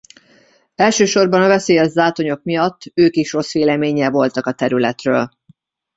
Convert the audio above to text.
Elsősorban a veszélyes zátonyok miatt ők is rossz véleménnyel voltak a területről.